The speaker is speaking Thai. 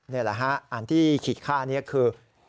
นี่แหละฮะอันที่ขีดค่านี้คือ